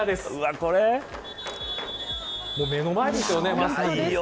目の前ですよね。